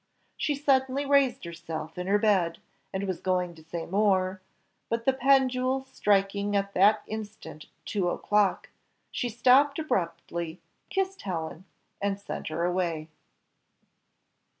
She suddenly raised herself in her bed, and was going to say more, but the pendule striking at that instant two o'clock, she stopped abruptly, kissed Helen, and sent her away.